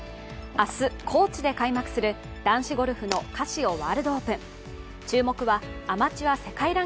明日、高知で開幕する男子ゴルフのカシオワールドオープン。